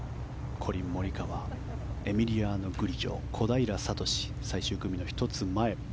コリン・モリカワエミリアノ・グリジョ小平智、最終組の１つ前。